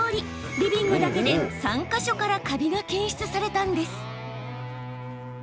リビングだけで３か所からカビが検出されたんです。